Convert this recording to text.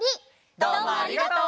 どうもありがとう。